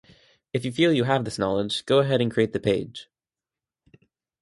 If you feel you have this knowledge go ahead and create the page.